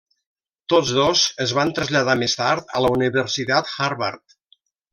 Tots dos es van traslladar més tard a la Universitat Harvard.